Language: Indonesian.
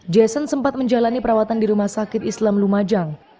jason sempat menjalani perawatan di rumah sakit islam lumajang